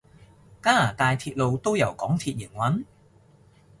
加拿大鐵路都由港鐵營運？